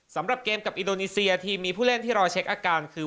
สำหรับเกมกับอินโดนีเซียทีมมีผู้เล่นที่รอเช็คอาการคือ